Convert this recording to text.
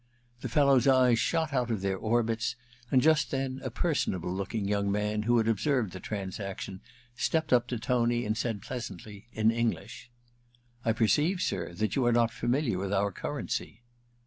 The fellow's eyes shot out of their orbits^ and just then a personable looking young man who had observed the transaction stepped up to Tony Und said pleasantly, in English : *I perceive, sir, that you are not fanuliar with our currency.